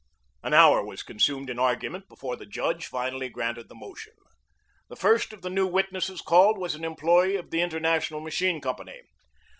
An hour was consumed in argument before the judge finally granted the motion. The first of the new witnesses called was an employee of the International Machine Company.